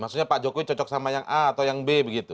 maksudnya pak jokowi cocok sama yang a atau yang b begitu